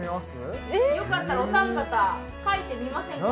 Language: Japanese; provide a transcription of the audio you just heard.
よかったらお三方書いてみませんか？